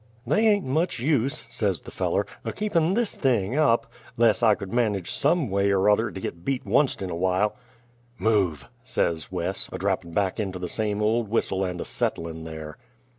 "They ain't much use," says the feller, "o' keepin' this thing up 'less I could manage, some way er other, to git beat onc't 'n a while!" "Move," says Wes, a drappin' back into the same old whistle and a settlin' there.